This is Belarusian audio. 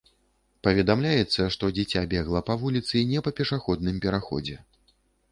Паведамляецца, што дзіця бегла па вуліцы не па пешаходным пераходзе.